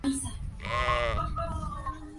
Han grabado dos discos de rock cristiano.